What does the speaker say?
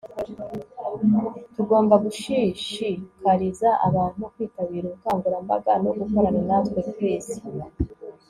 tugomba gushishikariza abantu kwitabira ubukangurambaga no gukorana natwe. (cris